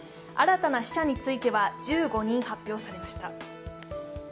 新たな死者については１５人発表されました。